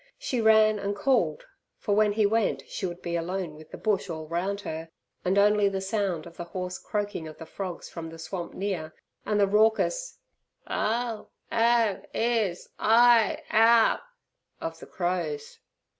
She ran and called, for when he went she would be alone with the bush all round her, and only the sound of the hoarse croaking of the frogs from the swamp near, and the raucous "I'll 'ave 'is eye out", of the crows.